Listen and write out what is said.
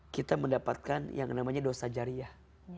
kita mendapatkan yang namanya dosa jariah